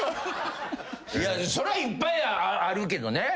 そりゃいっぱいあるけどね。